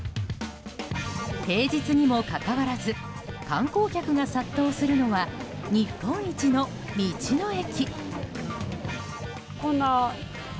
平日にもかかわらず観光客が殺到するのは日本一の道の駅。